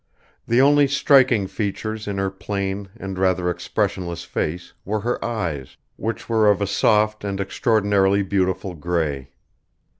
The only striking features in her plain, and rather expressionless face were her eyes, which were of a soft and extraordinarily beautiful grey.